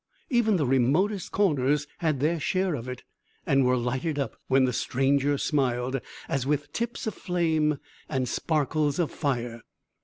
Even the remotest corners had their share of it, and were lighted up, when the stranger smiled, as with tips of flame and sparkles of fire.